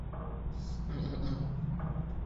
特尼塞。